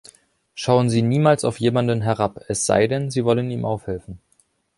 Schauen Sie niemals auf jemanden herab, es sei denn, Sie wollen ihm aufhelfen.